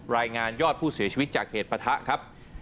รายงานยอดผู้เสียชีวิตจากเหตุประทะครับ